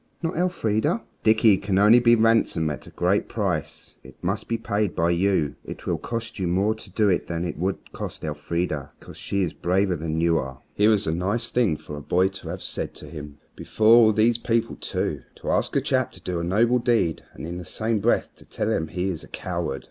"Not Elfrida?" "Dickie can only be ransomed at a great price, and it must be paid by you. It will cost you more to do it than it would cost Elfrida, because she is braver than you are." Here was a nice thing for a boy to have said to him, and before all these people too! To ask a chap to do a noble deed and in the same breath to tell him he is a coward!